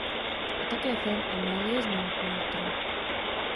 A také film "Amélie z Montmartru".